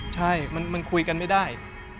ใช่มันคุยกันไม่ได้